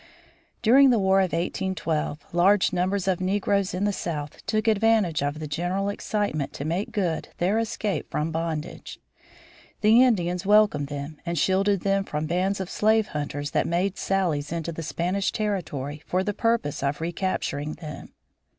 During the War of 1812 large numbers of negroes in the South took advantage of the general excitement to make good their escape from bondage. The Indians welcomed them and shielded them from bands of slave hunters that made sallies into the Spanish territory for the purpose of recapturing them.